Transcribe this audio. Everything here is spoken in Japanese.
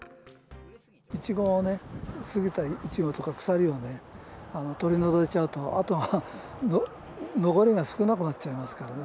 イチゴをね、過ぎたイチゴとか腐りをね、取り除いちゃうと、あとが残りが少なくなっちゃいますからね。